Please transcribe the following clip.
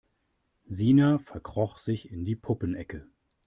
Sina verkroch sich in die Puppenecke.